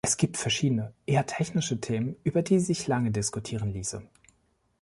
Es gibt verschiedene, eher technische Themen, über die sich lange diskutieren ließe.